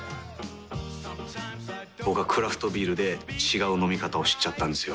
僕はクラフトビールで違う飲み方を知っちゃったんですよ。